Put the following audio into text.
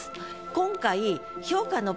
今回。